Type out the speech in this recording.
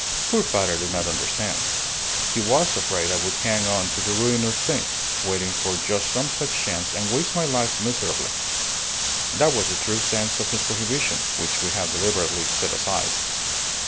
Poor father did not understand. He was afraid I would hang on to the ruinous thing, waiting for just some such chance, and waste my life miserably. That was the true sense of his prohibition, which we have deliberately set aside."